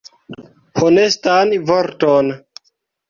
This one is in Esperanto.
Honestan vorton.